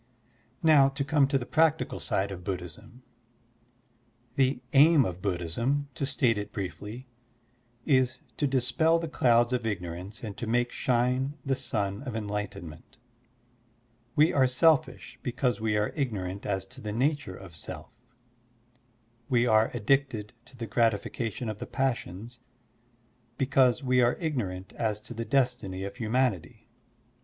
Now to come to the practical side of Buddhism : The aim of Buddhism, to state it briefly, is to dispel the clouds of ignorance and to make shine the sun of enlightenment. We are selfish because we are ignorant as to the nature of self. We are addicted to the gratification of the passions, because we are ignorant as to the destiny of htmianity.